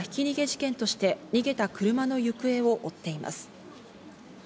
警視庁がひき逃げ事件として逃げた車の行方を追っています。